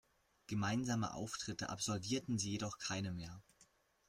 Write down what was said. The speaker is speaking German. Gemeinsame Auftritte absolvierten sie jedoch keine mehr.